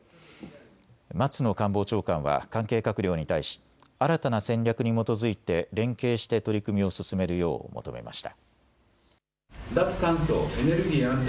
松野官房長官は関係閣僚に対し新たな戦略に基づいて連携して取り組みを進めるよう求めました。